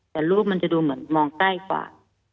แต่รูปมันจะดูเหมือนมองใกล้กว่า